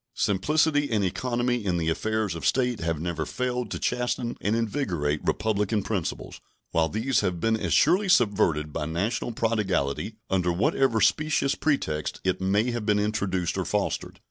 Simplicity and economy in the affairs of state have never failed to chasten and invigorate republican principles, while these have been as surely subverted by national prodigality, under whatever specious pretexts it may have been introduced or fostered.